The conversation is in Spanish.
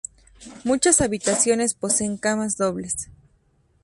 Muchas habitaciones poseen camas dobles.